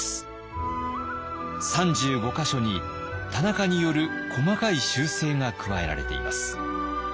３５か所に田中による細かい修正が加えられています。